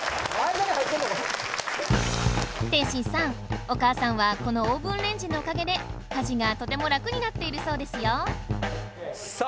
天心さんお母さんはこのオーブンレンジのおかげで家事がとても楽になっているそうですよさあ！